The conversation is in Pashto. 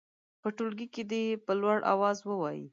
په ټولګي کې دې یې په لوړ اواز ووايي.